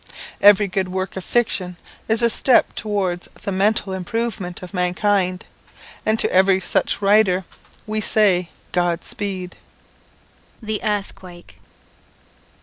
Every good work of fiction is a step towards the mental improvement of mankind, and to every such writer, we say God speed! The Earthquake.